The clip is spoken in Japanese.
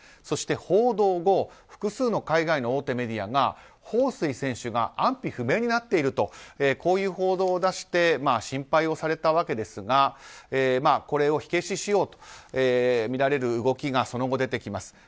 そして報道後複数の大手海外メディアがホウ・スイ選手が安否不明になっているという報道を出して心配をされたわけですがこれを火消ししようとみられる動きがその後、出てきます。